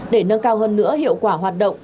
để nâng cao hơn nữa hiệu quả hoạt động